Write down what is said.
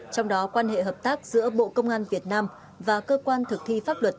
trong đó quan hệ hợp tác giữa bộ công an việt nam và cơ quan thực thi pháp luật